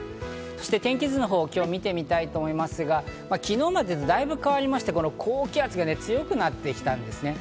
そして、天気図の方を見てみたいと思いますが、昨日までと大分変わりまして、高気圧が強くなってきたんですね。